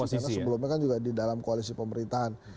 karena sebelumnya kan juga di dalam koalisi pemerintahan